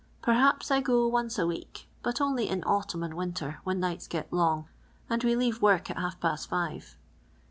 Per haps I go once a week, but only in autumn and winter, when nights get long, and we leave work at bnif past fire.